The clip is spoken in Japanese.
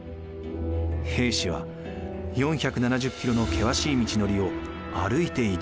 兵士は４７０キロの険しい道のりを歩いて移動。